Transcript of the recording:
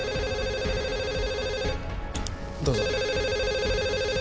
どうぞ。